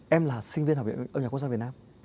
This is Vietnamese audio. em là sinh viên học viện âm nhạc quốc gia việt nam